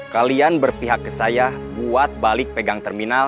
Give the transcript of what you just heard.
kalian berpihak ke saya buat balik pegang terminal